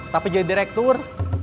tapi jadi direktur